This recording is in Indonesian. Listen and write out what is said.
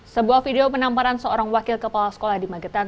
sebuah video penamparan seorang wakil kepala sekolah di magetan